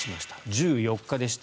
１４日でした。